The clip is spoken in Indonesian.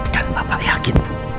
dan bapak yakin